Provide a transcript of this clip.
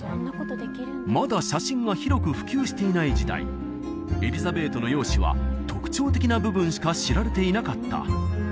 まだ写真が広く普及していない時代エリザベートの容姿は特徴的な部分しか知られていなかった